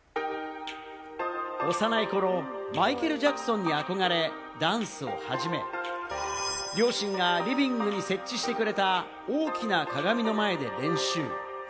幼い頃、マイケル・ジャクソンに憧れダンスを始め、両親がリビングに設置してくれた大きな鏡の前で練習。